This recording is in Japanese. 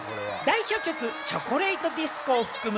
代表曲『チョコレイト・ディスコ』を含む